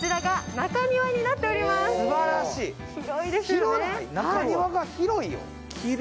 中庭が広いよ。